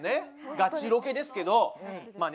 ガチロケですけどまあね